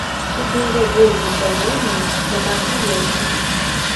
І быў я вельмі здаволены, што так наеўся.